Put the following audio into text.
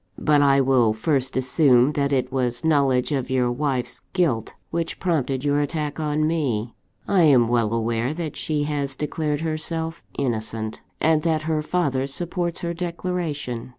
"But I will first assume that it was knowledge of your wife's guilt which prompted your attack on me. I am well aware that she has declared herself innocent, and that her father supports her declaration.